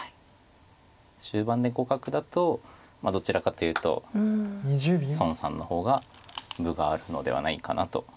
終盤で互角だとどちらかというと孫さんの方が分があるのではないかなと。